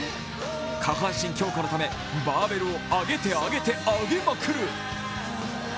下半身強化のためバーベルを上げて上げて上げまくる。